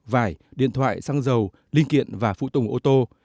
vải điện thoại xăng dầu linh kiện và phụ tùng ô tô